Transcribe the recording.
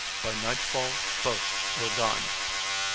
By nightfall both were gone.